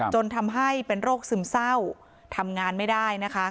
จนทำให้เป็นโรคซึมเศร้าทำงานไม่ได้นะคะ